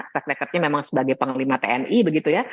rek rek reknya memang sebagai pengelima tni begitu ya